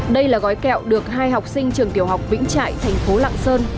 đây là gói kẹo được hai học sinh trường tiểu học vĩnh trại thành phố lạng sơn